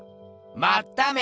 まっため！